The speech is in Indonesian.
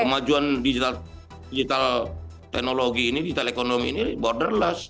kemajuan digital teknologi ini digital ekonomi ini borderless